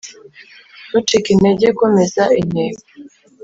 ntucike intege komeza intego